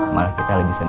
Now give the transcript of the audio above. malah kita lebih senang